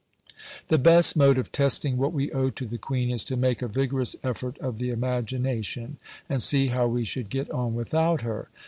The best mode of testing what we owe to the Queen is to make a vigorous effort of the imagination, and see how we should get on without her.